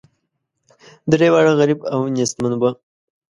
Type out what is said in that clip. درې واړه غریب او نیستمن وه.